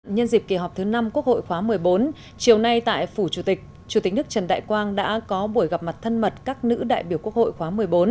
nhân dịp kỳ họp thứ năm quốc hội khóa một mươi bốn chiều nay tại phủ chủ tịch chủ tịch nước trần đại quang đã có buổi gặp mặt thân mật các nữ đại biểu quốc hội khóa một mươi bốn